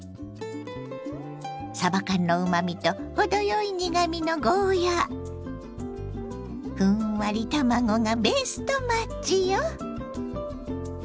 さば缶のうまみと程よい苦みのゴーヤーふんわり卵がベストマッチよ。